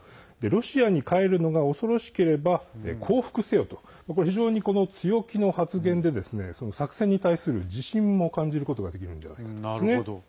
ロシアに帰るのが恐ろしければ降伏せよと非常に強気の発言で作戦に対する自信も感じることができるんじゃないかと思うんですね。